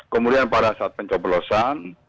kemudian pada saat pencobolosan